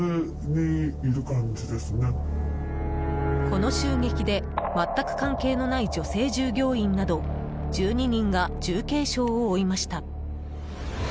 この襲撃で、全く関係のない女性従業員など１２人が重軽傷を負いました。